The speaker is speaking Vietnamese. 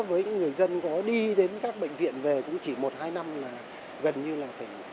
với người dân có đi đến các bệnh viện về cũng chỉ một hai năm là gần như là phải